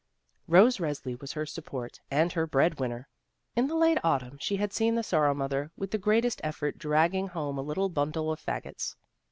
Rose Resli was her support and her bread win ner. In the late Autumn she had seen the Sor row mother with the greatest effort dragging home a little bimdle of fagots.